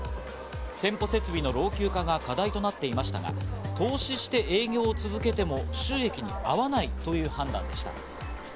店舗設備の老朽化が課題となっていましたが、投資して営業を続けても収益に合わないという判断でした。